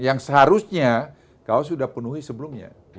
yang seharusnya kau sudah penuhi sebelumnya